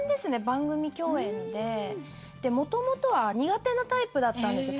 番組共演でで元々は苦手なタイプだったんですよ